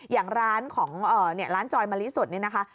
อย่างร้านของร้านจอยมะลิสดนี่นะคะ